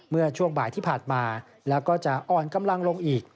เมื่อช่วงบ่ายที่ผ่านมาแล้วก็จะอ่อนกำลังลงอีก